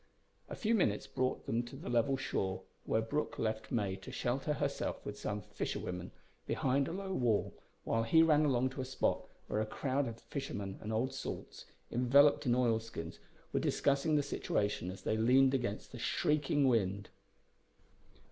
A few minutes brought them to the level shore where Brooke left May to shelter herself with some fisher women behind a low wall, while he ran along to a spot where a crowd of fishermen and old salts, enveloped in oil skins, were discussing the situation as they leaned against the shrieking wind.